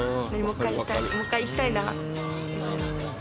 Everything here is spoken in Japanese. もう一回行きたいなみたいな。